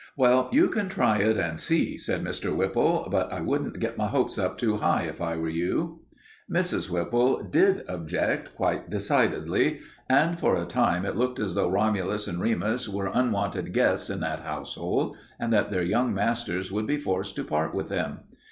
"Well, you can try it and see," said Mr. Whipple, "but I wouldn't get my hopes up too high, if I were you." Mrs. Whipple did object quite decidedly, and for a time it looked as though Romulus and Remus were unwanted guests in that household and that their young masters would be forced to part with them.